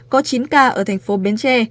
có chín ca ở thành phố bến tre